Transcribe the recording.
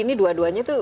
ini dua duanya tuh